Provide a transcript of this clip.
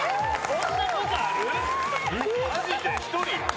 こんなことある？